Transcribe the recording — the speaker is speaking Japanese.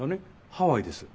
ハワイです。